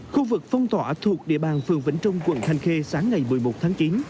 khu vực phong tỏa thuộc địa bàn phường vĩnh trung quận thanh khê sáng ngày một mươi một tháng chín